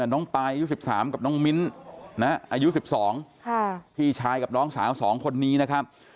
น้องปายอายุ๑๓กับน้องมิ้นอายุ๑๒พี่ชายกับน้องสาว๒คนนี้นะครับ